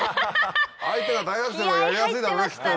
相手が大学生のほうがやりやすいだろうねきっと。